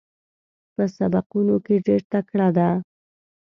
په سبقونو کې ډېره تکړه ده.